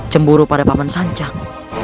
cemburu pada paman sancang